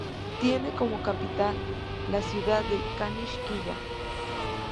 Tiene como capital la ciudad de Kanysh-Kiya.